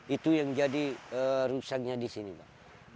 itu yang jadi rusaknya di sini pak